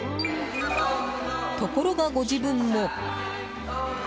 ところがご自分も。